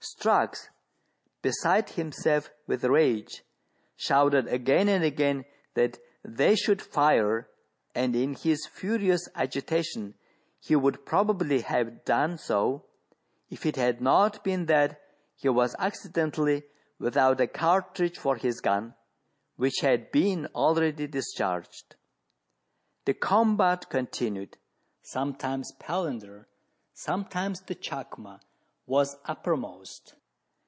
Strux, beside himself with rage, shouted again and again that they should fire, and in his furious agitation he would probably have done so, if it had not been that he was accidentally without a cartridge for his gun, which had been already discharged. The combat continued ; sometimes Palander, sometimes the chacma, was uppermost.